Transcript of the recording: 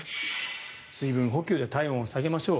水分補給で体温を下げましょう。